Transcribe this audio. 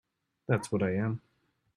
That's what I am.